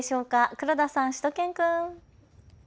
黒田さん、しゅと犬くん。